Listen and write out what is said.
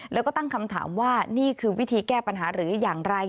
แล้วก็ตั้งคำถามว่านี่คือวิธีแก้ปัญหาหรืออย่างไร